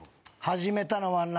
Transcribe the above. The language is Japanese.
始めたのはな